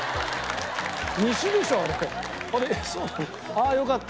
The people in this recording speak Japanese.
ああよかった